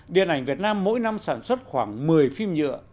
điện ảnh việt nam mỗi năm sản xuất khoảng một mươi phim nhựa